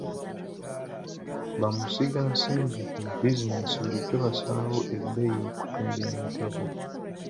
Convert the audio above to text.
Bamusigansimbi mu bizinesi bulijjo basalawo ebbeeyi okutundibwa emigabo.